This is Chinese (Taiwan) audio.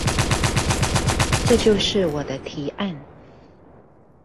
這就是我的提案